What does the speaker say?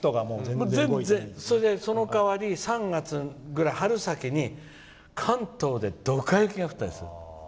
その代わり、３月ぐらいの春先に関東でドカ雪が降ったりする。